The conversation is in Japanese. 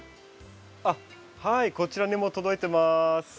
あっはいこちらにも届いてます。